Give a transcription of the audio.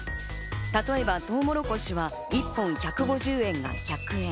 例えばトウモロコシは１本１５０円が１００円。